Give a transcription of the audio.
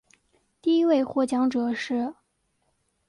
第一位获奖者是。